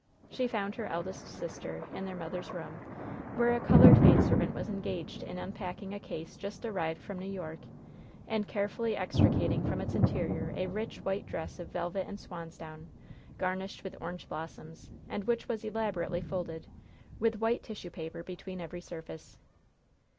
She found her eldest sister in their mother's room, where a colored maidservant was engaged in unpacking a case just arrived from New York, and carefully extricating from its interior a rich white dress of velvet and swansdown, garnished with orange blossoms, and which was elaborately folded, with white tissue paper between every surface.